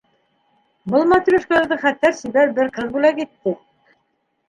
- Был матрешкаларҙы хәтәр сибәр бер ҡыҙ бүләк итте.